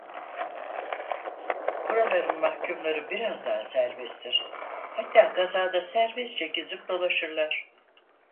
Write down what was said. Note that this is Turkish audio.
Buraların mahkûmları biraz daha serbesttir, hatta kazada serbestçe gezip dolaşırlar.